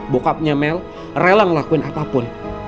bokapnya mel rela ngelakuin apapun